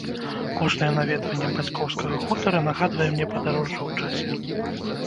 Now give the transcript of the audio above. Кожнае наведванне бацькоўскага хутара нагадвае мне падарожжа ў часе.